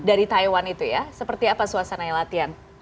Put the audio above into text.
dari taiwan itu ya seperti apa suasananya latihan